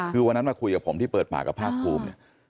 คือวันนั้นมาคุยกับผมที่เปิดปากกับภาคภูมิเนี่ย